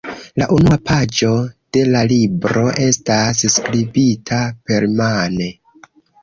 La unua paĝo de la libro estas skribita permane.